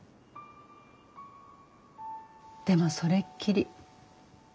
でもそれっきり。